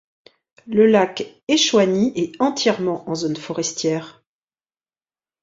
Le lac Échouani est entièrement en zone forestière.